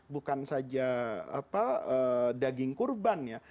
bukan saja daging kurban ya